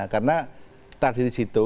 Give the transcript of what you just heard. karena tadi di situ